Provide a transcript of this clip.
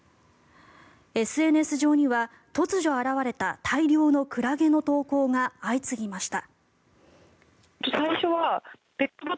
ＳＮＳ上には突如現れた大量のクラゲの投稿が相次ぎました。